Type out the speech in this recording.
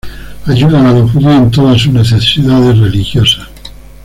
Ayudan a los judíos en todas sus necesidades religiosas.